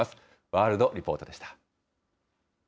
ワールドリポートでした。